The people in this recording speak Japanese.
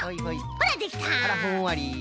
あらふんわり。